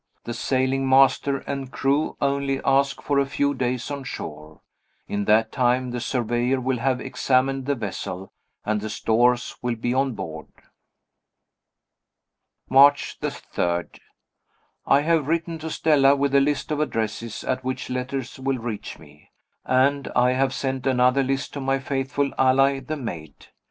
The sailing master and crew only ask for a few days on shore. In that time the surveyor will have examined the vessel, and the stores will be on board. March 3. I have written to Stella, with a list of addresses at which letters will reach me; and I have sent another list to my faithful ally the maid.